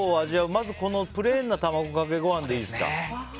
まずプレーンな卵かけご飯でいいですか。